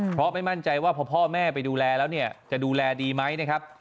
เพราะไม่มั่นใจพอพ่อมาดูแลแล้วจะดูแลดีไหมนะครับ